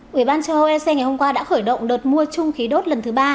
quỹ ban châu âu ec ngày hôm qua đã khởi động đợt mua chung khí đốt lần thứ ba